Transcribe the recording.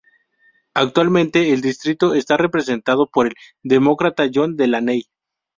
Actualmente el distrito está representado por el Demócrata John Delaney.